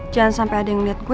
jangan sampai ada yang liat gue